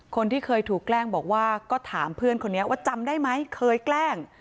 คนที่เคยถูกแกล้งบอกว่าก็ถามเพื่อนคนนี้ว่าจำได้ไหมเคยแกล้ง